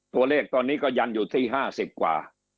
ตัวเลขตอนนี้ก็ยันอยู่ที่๕๐กว่า